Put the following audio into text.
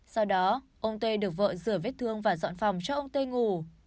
sau đó ông t được vợ rửa vết thương và dọn phòng cho ông t ngủ